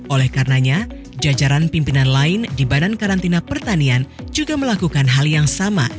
oleh karenanya jajaran pimpinan lain di badan karantina pertanian juga melakukan hal yang sama